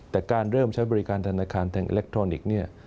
แต่การเริ่มใช้บริการธนาคารแห่งอิเล็กทรอนิกส์เนี่ย